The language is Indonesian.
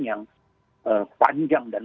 yang panjang dan